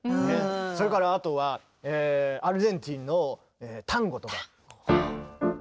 それからあとはアルゼンチンのタンゴとか。